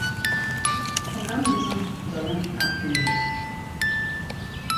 Ọkammụta Dọra Akụnyili